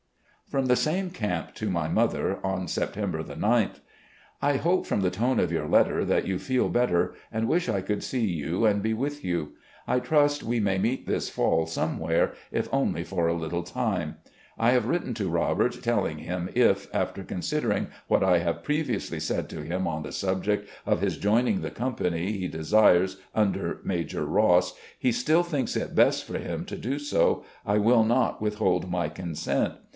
From the same camp, to my mother, on September 9th: "... I hope from the tone of your letter that you feel better, and wish I could see you and be with you. I trust we may meet this fall somewhere, if only for a little time. I have written to Robert telling him if, after con 44 RECOLLECTIONS OF GENERAL LEE fii<1 firing what I have previously said to him on the sub ject of his joining the company he desires under Major Ross, he still thinks it best for him to do so, I will not withhold my consent.